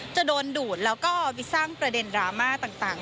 จะโดนดูดแล้วก็ไปสร้างประเด็นดราม่าต่าง